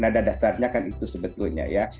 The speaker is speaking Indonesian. nada dasarnya kan itu sebetulnya ya